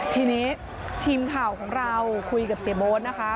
ทีนี้ทีมข่าวของเราคุยกับเสมออะครับ